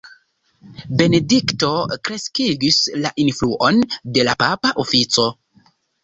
Benedikto kreskigis la influon de la papa ofico.